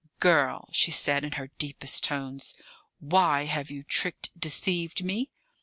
"Girl," she said, in her deepest tones, "why have you tricked, deceived me?"